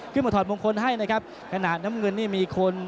ถอดมงคลให้นะครับขณะน้ำเงินนี่มีคน